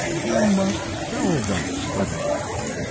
You must build that study."